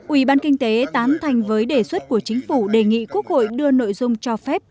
ủy ban kinh tế tán thành với đề xuất của chính phủ đề nghị quốc hội đưa nội dung cho phép